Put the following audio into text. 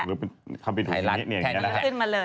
หรือเข้าไปดูแบบนี้แหละ